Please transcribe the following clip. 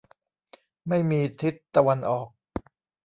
ไม่มีทิศตะวันออก